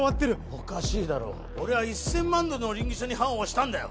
おかしいだろ俺は１千万ドルの稟議書に判を押したんだよ